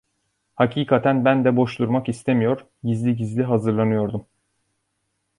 Hakikaten ben de boş durmak istemiyor, gizli gizli hazırlanıyordum.